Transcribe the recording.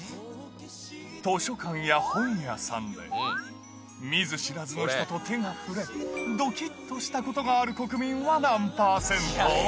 図書館や本屋さんで、見ず知らずの人と手が触れ、どきっとしたことがある国民は何％？